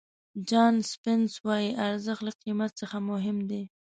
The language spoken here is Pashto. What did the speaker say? جان سپینس وایي ارزښت له قیمت څخه مهم دی.